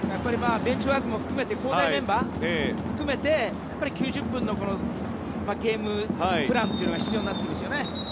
ベンチワークも含めて交代メンバーも含めて９０分のゲームプランというのが必要になってきますよね。